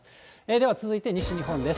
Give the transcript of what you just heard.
では続いて西日本です。